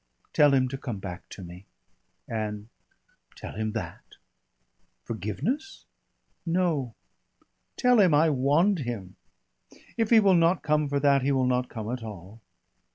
Tell him to come back to me!" "And ?" "Tell him that." "Forgiveness?" "No! Tell him I want him. If he will not come for that he will not come at all.